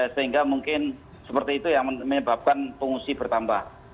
sehingga mungkin seperti itu yang menyebabkan pengungsi bertambah